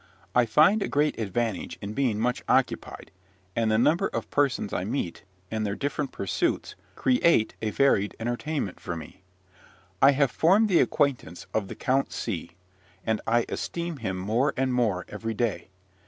I find a great advantage in being much occupied; and the number of persons I meet, and their different pursuits, create a varied entertainment for me. I have formed the acquaintance of the Count C and I esteem him more and more every day.